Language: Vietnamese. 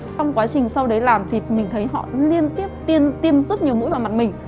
trong quá trình sau đấy làm thì mình thấy họ liên tiếp tiêm rất nhiều mũi vào mặt mình